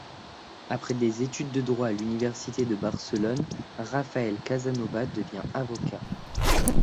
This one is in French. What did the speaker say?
Après des études de droit à l'université de Barcelone, Rafael Casanova devient avocat.